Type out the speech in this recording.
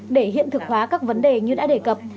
để hiện thực hóa các vấn đề như đã đề cập